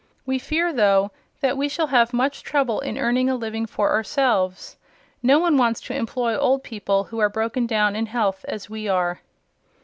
We fear, though, that we shall have much trouble in earning a living for ourselves. No one wants to employ old people who are broken down in health, as we are."